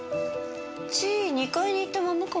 チー２階に行ったまんまかも。